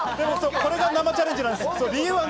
これが生チャレンジなんです。